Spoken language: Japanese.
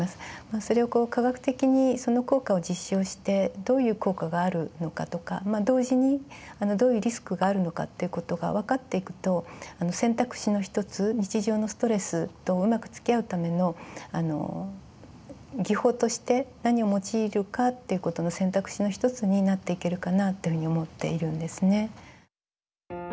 それをこう科学的にその効果を実証してどういう効果があるのかとか同時にどういうリスクがあるのかということが分かっていくと選択肢の一つ日常のストレスとうまくつきあうための技法として何を用いるかということの選択肢の一つになっていけるかなというふうに思っているんですね。